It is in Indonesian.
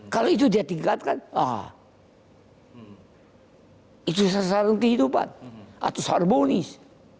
kalau itu dia tingkatkan itu sasaran kehidupan atau harmonis